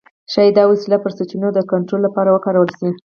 ښايي دا وسیله پر سرچینو د کنټرول لپاره وکارول شي.